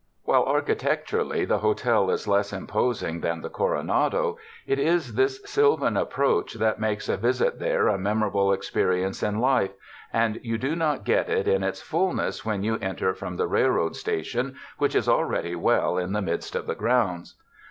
While architecturally the hotel is less im posing than the Coronado, it is this sylvan ap proach that makes a visit there a memorable ex perience in life, and you do not get it in its fullness when you enter from the railroad station which is already well in the midst of the grounds.